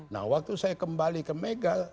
nah waktu saya kembali ke ibu bumega